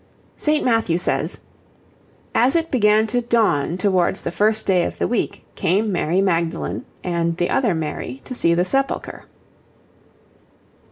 St. Matthew says: 'As it began to dawn towards the first day of the week, came Mary Magdalene, and the other Mary, to see the Sepulchre.'